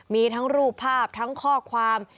มีทั้งรูปภาพทั้งข้อความ